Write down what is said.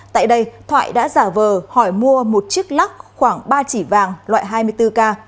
tại đây thoại đã giả vờ hỏi mua một chiếc lắc khoảng ba chỉ vàng loại hai mươi bốn k